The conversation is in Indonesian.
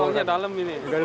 ya soalnya dalam ini